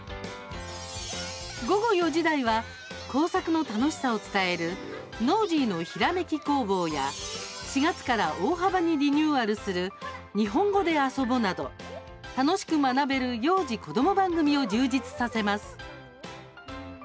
午後４時台は工作の楽しさを伝える「ノージーのひらめき工房」や４月から大幅にリニューアルする「にほんごであそぼ」など楽しく学べる幼児・子ども番組を充実させます。